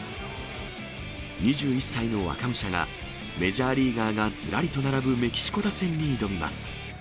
２１歳の若武者が、メジャーリーガーがずらりと並ぶメキシコ打線に挑みます。